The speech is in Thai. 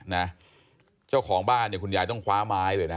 นะเจ้าของบ้านเนี่ยคุณยายต้องคว้าไม้เลยนะ